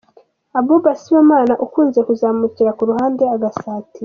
Abouba Sibomana ukunze kuzamukira ku ruhande agasatira.